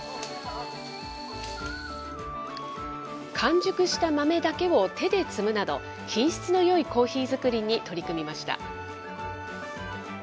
完熟した豆だけを手で摘むなど、品質のよいコーヒー作りに取り組みました。